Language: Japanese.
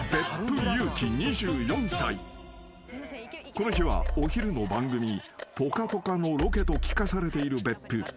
［この日はお昼の番組『ぽかぽか』のロケと聞かされている別府］